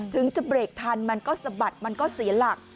ถึงจะเบรกทันมันก็สะบัดมันก็เสียหลัก